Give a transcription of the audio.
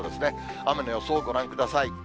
雨の予想ご覧ください。